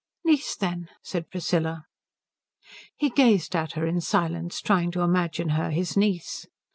"Niece, then," said Priscilla. He gazed at her in silence, trying to imagine her his niece.